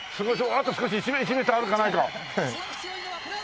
あと少し１メートルあるかないか。